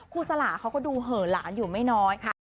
สลาเขาก็ดูเหอะหลานอยู่ไม่น้อย